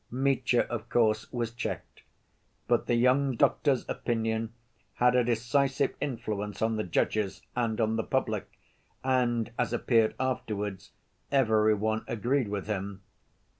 Mitya, of course, was checked, but the young doctor's opinion had a decisive influence on the judges and on the public, and, as appeared afterwards, every one agreed with him.